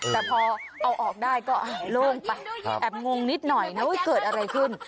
แต่พอเอาออกได้ก็โล่งไปแอบงงนิดหน่อยนะว่าเกิดอะไรขึ้น